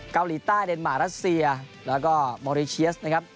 เกาหลีใต้เดนมาร์รัสเซียแล้วก็มอริเชียสนะครับ